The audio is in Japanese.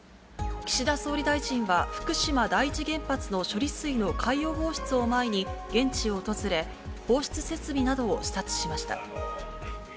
岸田総理大臣は、福島第一原発の処理水の海洋放出を前に現地を訪れ、放出設備などを視察しました。